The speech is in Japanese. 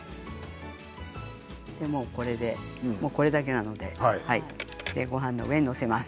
これだけなのでごはんの上に載せます。